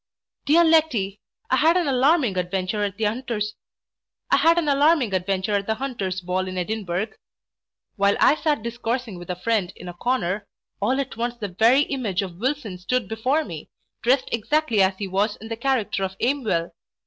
Dear Letty! I had an alarming adventure at the hunters ball in Edinburgh While I sat discoursing with a friend in a corner, all at once the very image of Wilson stood before me, dressed exactly as he was in the character of Aimwell!